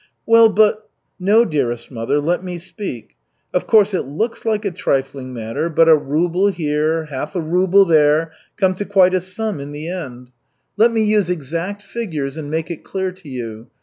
"Well, but " "No, dearest mother, let me speak. Of course it looks like a trifling matter, but a ruble here, half a ruble there, come to quite a sum in the end. Let me use exact figures and make it clear to you.